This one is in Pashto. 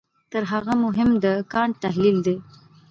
تر هغه مهم د کانټ تحلیل دی.